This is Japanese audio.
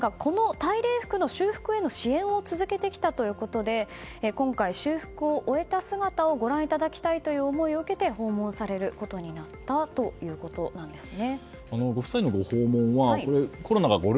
そしてご夫妻がこの大礼服の修復への支援を続けてきたということで今回、修復を終えた姿をご覧いただきたいという思いを受けて、訪問されることになったということなんですね。